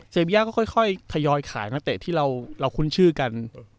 ย่าก็ค่อยทยอยขายนักเตะที่เราคุ้นชื่อกัน